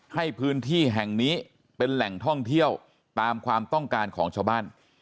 ให้พื้นที่แห่งนี้เป็นแหล่งท่องเที่ยวตามความต้องการของชาวบ้าน